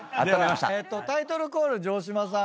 ではタイトルコール城島さん。